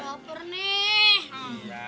gua bober nih